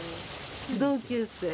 同級生。